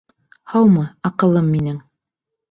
Һаумы, аҡыллым минең!